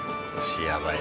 腰やばい。